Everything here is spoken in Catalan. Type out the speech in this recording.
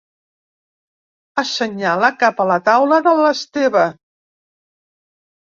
Assenyala cap a la taula de l'Esteve.